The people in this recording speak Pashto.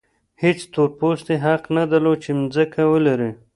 هېڅ تور پوستي حق نه درلود چې ځمکه ولري.